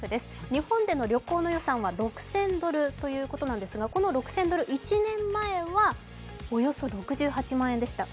日本での旅行の予算は６０００ドルということなんですが、この６０００ドル、１年前はおよそ６８万円でした。